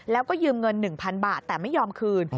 แล้วก็ยืมเงิน๑๐๐๐บาทแต่ไม่ยอมคืน